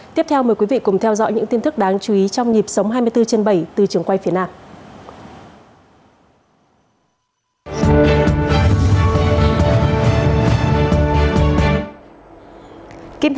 tiếp theo mời quý vị cùng theo dõi những tin tức đáng chú ý trong nhịp sống hai mươi bốn trên bảy từ trường quay phía nam